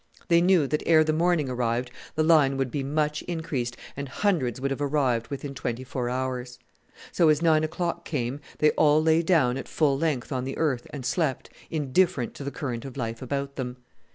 They knew that ere the morning arrived the line would be much increased and hundreds would have arrived within twenty four hours. So, as nine o'clock came, they all lay down at full length on the earth and slept, indifferent to the current of life about them.